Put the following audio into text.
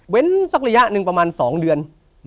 สักระยะหนึ่งประมาณ๒เดือน